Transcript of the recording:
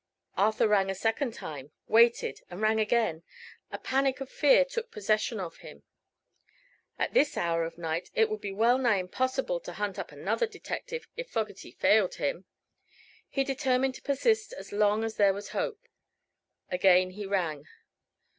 Arthur rang a second time; waited, and rang again. A panic of fear took possession of him. At this hour of night it would be well nigh impossible to hunt up another detective if Fogerty failed him. He determined to persist as long as there was hope. Again he rang.